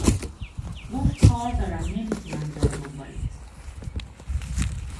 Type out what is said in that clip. گفت کار دارم نمی تونم بیام دنبالت